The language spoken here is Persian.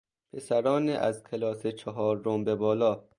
پسران از کلاس چهارم به بالا